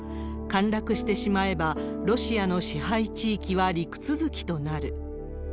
陥落してしまえば、ロシアの支配地域は陸続きとなる。